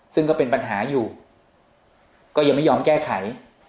ซึ่งก็เป็นปัญหาอยู่ก็ยังไม่ยอมแก้ไข